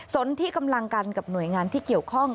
สนที่กำลังกันกับหน่วยงานที่เกี่ยวข้อง